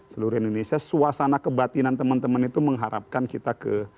seluruh indonesia suasana kebatinan teman teman itu mengharapkan kita ke